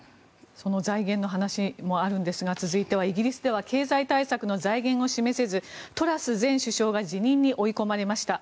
その財源の話もあるんですが続いてはイギリスでは経済対策の財源を示せずトラス前首相が辞任に追い込まれました。